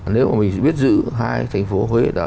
nếu mà mình biết giữ hai thành phố huế